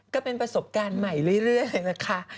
ก็เป็นประสบการณ์ใหม่เรื่อยนะคะ